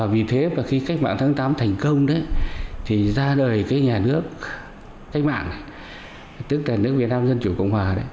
vì thế khi cách mạng tháng tám thành công ra đời nhà nước cách mạng tức là nước việt nam dân chủ cộng hòa